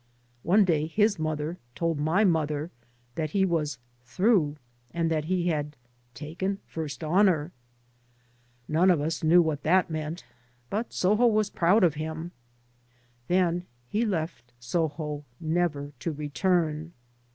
One day his mother told my mother that be was " through,'* and that he had taken " first honour." None of us knew what that meant, but Soho was proud of him. Then he left Soho never to return.